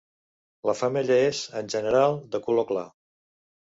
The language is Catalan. La femella és, en general, de color clar.